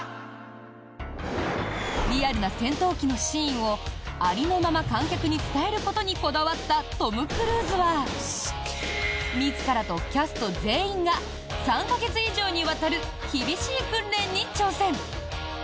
リアルな戦闘機のシーンをありのまま観客に伝えることにこだわったトム・クルーズは自らとキャスト全員が３か月以上にわたる厳しい訓練に挑戦！